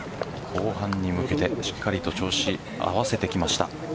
後半に向けてしっかりと調子合わせてきました。